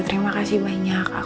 terima kasih banyak